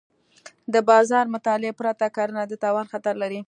د بازار مطالعې پرته کرنه د تاوان خطر لري.